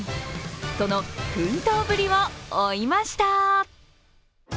その奮闘ぶりを追いました。